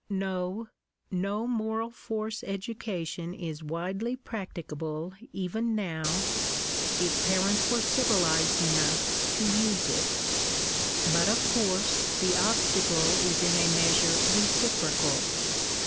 No no, moral force education is widely practicable even now, if parents were civilized enough to use it. But of course the obstacle is in a measure reciprocal.